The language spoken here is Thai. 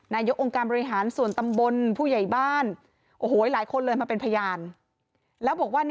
นายยกองค์การบริหารส่วนตำบลผู้ใหญ่บ้าน